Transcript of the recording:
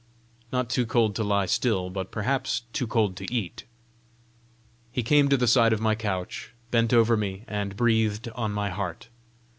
"Not too cold to lie still, but perhaps too cold to eat!" He came to the side of my couch, bent over me, and breathed on my heart.